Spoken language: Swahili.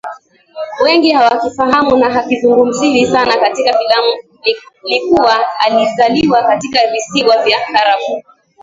wengi hawakifahamu na hakizungumziwi sana katika filamu ni kuwa alizaliwa katika visiwa vya karafuu